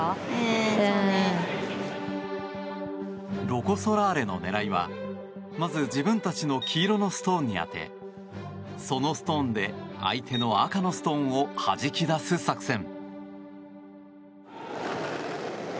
ロコ・ソラーレの狙いはまず自分たちの黄色のストーンに当てそのストーンで相手の赤のストーンをはじき出す作戦。